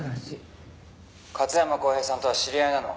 「勝山康平さんとは知り合いなの？